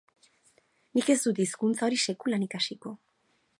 Nik ez dut hizkuntza hori sekulan ikasiko.